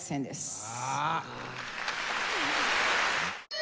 あ！